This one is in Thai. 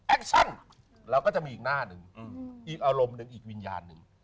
ชั่นเราก็จะมีอีกหน้าหนึ่งอีกอารมณ์หนึ่งอีกวิญญาณหนึ่ง